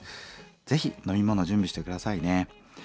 ぜひ飲み物準備して下さいね。